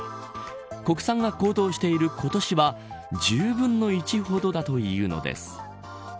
国産が高騰している今年は１０分の１ほどだというのです。